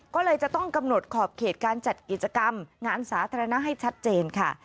ก็เลยจะต้องกำหนดขอบเขตการจัดกิจกรรมงานสาธารณะให้ชัดเจนค่ะ